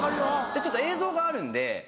ちょっと映像があるんで。